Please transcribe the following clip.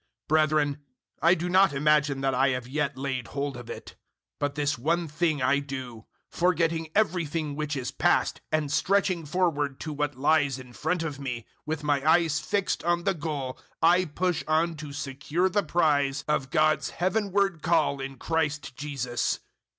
003:013 Brethren, I do not imagine that I have yet laid hold of it. But this one thing I do forgetting everything which is past and stretching forward to what lies in front of me, 003:014 with my eyes fixed on the goal I push on to secure the prize of God's heavenward call in Christ Jesus.